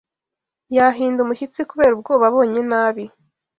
Yahinda umushyitsi kubera ubwoba abonye nabi.